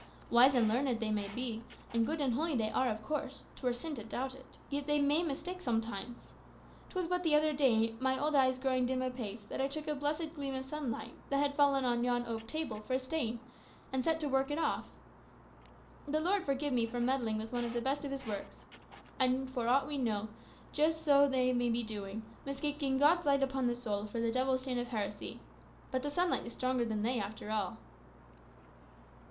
Wise and learned they may be, and good and holy they are, of course 'twere sin to doubt it yet they may mistake sometimes. 'Twas but the other day, my old eyes growing dim apace, that I took a blessed gleam of sunlight that had fallen on yon oak table for a stain, and set to work to rub it off; the Lord forgive me for meddling with one of the best of his works! And, for aught we know, just so may they be doing, mistaking God's light upon the soul for the devil's stain of heresy. But the sunlight is stronger than they, after all."